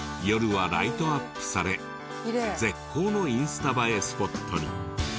夜はライトアップされ絶好のインスタ映えスポットに。